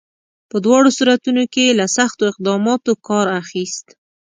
په دواړو صورتونو کې یې له سختو اقداماتو کار اخیست.